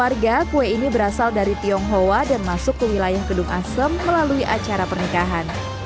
warga kue ini berasal dari tionghoa dan masuk ke wilayah kedung asem melalui acara pernikahan